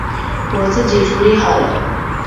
我自己处理好了